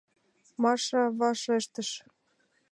— Маша вашештыш.